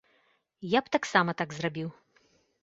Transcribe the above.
Я б таксама так зрабіў.